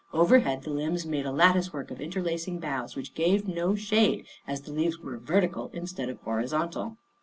Overhead the limbs made a lattice work of interlacing boughs which gave no shade, as the leaves were vertical instead of horizontal.